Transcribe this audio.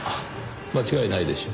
間違いないでしょう。